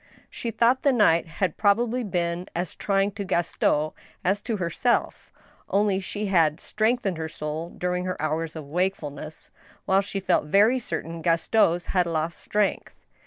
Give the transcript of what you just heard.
She thought the night had probably been as trying to Gaston as to herself, ... only she had strengthened her soul during her hours of wakefulness, while she fJelt very certain Gaston's had lost strength.